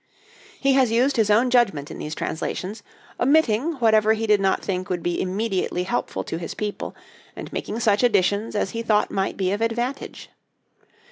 He has used his own judgment in these translations, omitting whatever he did not think would be immediately helpful to his people, and making such additions as he thought might be of advantage.